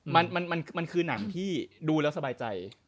มันคือนางที่ดูร้ายแล้วสบายใจ